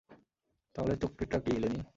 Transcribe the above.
তাহলে, চুক্তিটা কী, লেনি?